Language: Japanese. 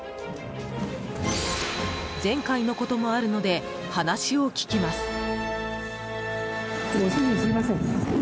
前回のこともあるので話を聞きます。